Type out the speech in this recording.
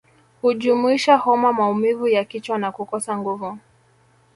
Hujumuisha homa maumivu ya kichwa na kukosa nguvu